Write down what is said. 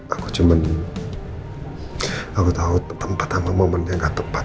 aku cuman aku tau tempat sama momennya gak tepat